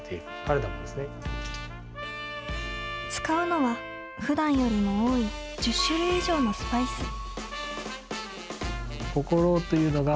使うのはふだんよりも多い１０種類以上のスパイス。